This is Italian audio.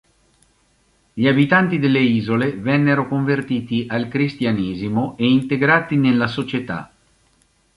Gli abitanti delle isole vennero convertiti al Cristianesimo e integrati nella società.